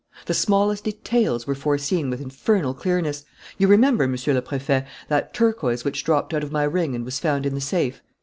"The smallest details were foreseen with infernal clearness. You remember, Monsieur le Préfet, that turquoise which dropped out of my ring and was found in the safe?